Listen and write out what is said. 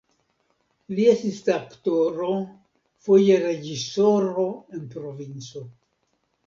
Li estis aktoro, foje reĝisoro en provinco.